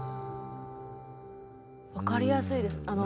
分かりやすいです。